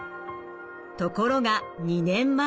ところが２年前。